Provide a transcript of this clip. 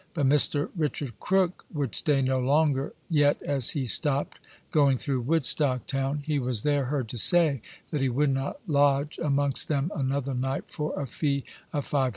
But Mr. Richard Crook would stay no longer, yet as he stopt, going through Woodstock town, he was there heard to say, that he would not lodge amongst them another night for a fee of 500 L.